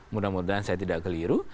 mudah mudahan saya tidak keliru